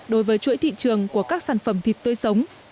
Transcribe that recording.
đối với chuỗi thị trường của các sản phẩm thịt tươi sống